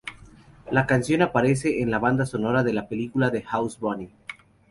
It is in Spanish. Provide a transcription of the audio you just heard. La canción aparece en la banda sonora de la película "The House Bunny".